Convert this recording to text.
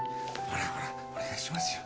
ほらほらお願いしますよ。